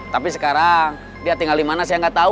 tapi sekarang dia tinggal di mana saya nggak tahu